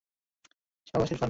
সাবাশ, Irfan.